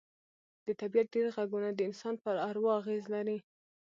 د طبیعت ډېر غږونه د انسان پر اروا اغېز لري